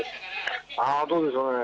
どうでしょうね。